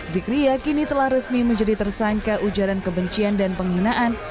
zikriya kini telah resmi menjadi tersangka ujaran kebencian dan penghinaan